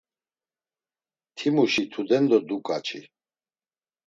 Timuşi tudendo dukaçi.